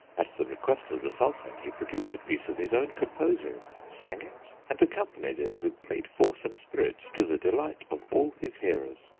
At the request of the Sultan he produced a piece of his own composing, sang it, and accompanied it with great force and spirit to the delight of all his hearers.